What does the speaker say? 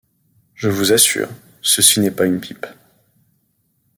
Je vous assure : ceci n’est pas une pipe ».